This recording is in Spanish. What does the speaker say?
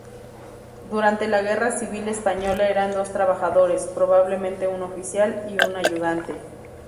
Durante la Guerra Civil española eran dos trabajadores, probablemente un oficial y un ayudante.